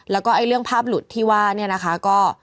แล้วก็เรื่องภาพหลุดที่ว่าเนี่ยนะคะก็